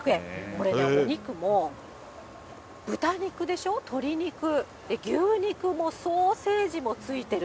これ、お肉も豚肉でしょ、鶏肉、牛肉もソーセージもついてる。